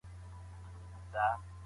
ځکه چې دا له ځمکې راځي.